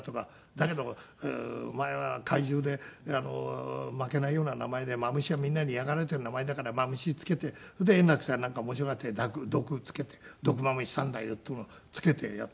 だけどお前は怪獣で負けないような名前で蝮はみんなに嫌がられている名前だから「蝮」つけてそれで圓楽さんやなんか面白がって「毒」つけて「毒蝮三太夫」っていうのつけてやった。